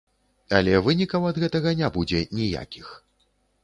Але вынікаў ад гэтага не будзе ніякіх.